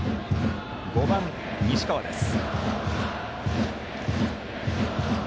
５番、西川です。